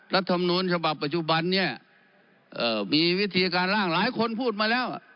รัฐมนูลฉบับปัจจุบันเนี่ยมีวิธีการล่างหลายคนพูดมาแล้ว